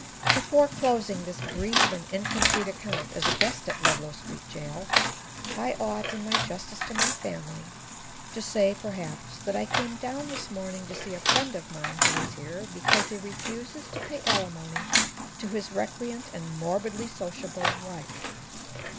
Before closing this brief and incomplete account as a guest at Ludlow Street Jail I ought, in justice to my family, to say, perhaps, that I came down this morning to see a friend of mine who is here because he refuses to pay alimony to his recreant and morbidly sociable wife.